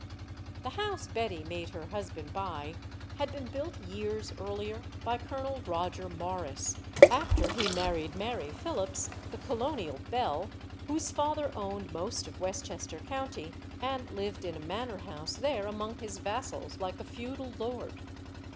The house Betty made her husband buy had been built years earlier by Colonel Roger Morris, after he married Mary Phillipse, the colonial belle, whose father owned most of Westchester County and lived in a manor house there among his vassals like a feudal lord.